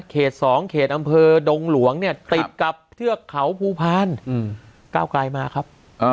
๒เขตอำเภอดงหลวงเนี่ยติดกับเทือกเขาภูพาลก้าวกลายมาครับ